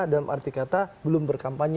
dalam arti kata belum berkampanye